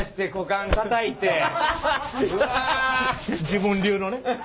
自分流のね。